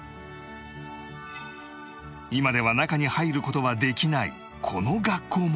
今では中に入る事はできないこの学校も